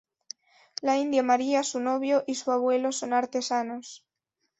La India María, su novio y su abuelo son artesanos.